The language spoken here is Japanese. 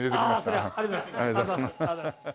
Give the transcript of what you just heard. それはありがとうございます。